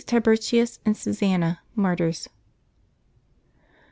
TIBURTIUS and SUSANNA, Martyrs.